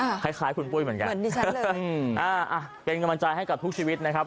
อ่าคล้ายคล้ายคุณปุ้ยเหมือนกันเหมือนดิฉันเลยอ่าเป็นกำลังใจให้กับทุกชีวิตนะครับ